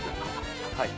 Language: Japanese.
はい。